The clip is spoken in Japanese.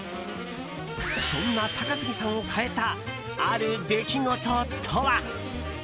そんな高杉さんを変えたある出来事とは？